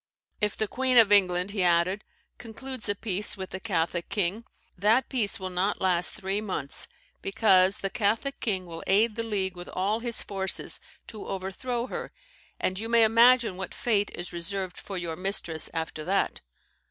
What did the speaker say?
'If the Queen of England,' he added, 'concludes a peace with the Catholic king, that peace will not last three months, because the Catholic king will aid the League with all his forces to overthrow her, and you may imagine what fate is reserved for your mistress after that.'